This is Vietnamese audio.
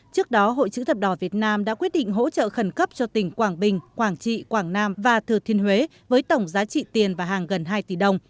trước đó hội chữ thập đỏ việt nam đã quyết định hỗ trợ khẩn cấp cho tỉnh quảng bình quảng trị quảng nam và thừa thiên huế với tổng giá trị tiền và hàng gần hai tỷ đồng